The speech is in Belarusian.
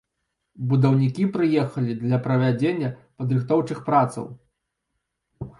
Будаўнікі прыехалі для правядзення падрыхтоўчых працаў.